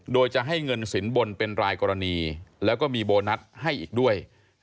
โดยจะให้เงินสินบนเป็นรายกรณีแล้วก็มีโบนัสให้อีกด้วย